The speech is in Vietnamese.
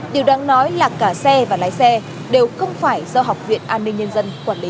điều đáng nói là cả xe và lái xe đều không phải do học viện an ninh nhân dân quản lý